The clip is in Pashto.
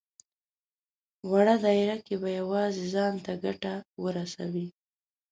وړه دايره کې به يوازې ځان ته ګټه ورسوي.